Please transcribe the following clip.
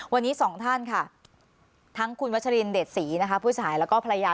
วันนี้สองท่านค่ะทั้งคุณวัชรินเดชศรีนะคะผู้ชายแล้วก็ภรรยา